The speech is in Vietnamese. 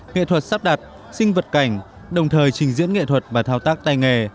nghệ thuật sắp đặt sinh vật cảnh đồng thời trình diễn nghệ thuật và thao tác tay nghề